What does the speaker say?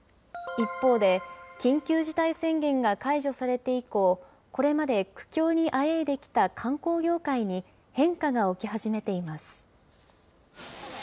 一方で、緊急事態宣言が解除されて以降、これまで苦境にあえいできた観光業界に変化が起き始めています。